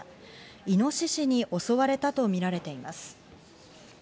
イノシシに襲われたとみられています。